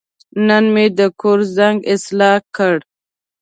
نن مې د کور زنګ اصلاح کړ.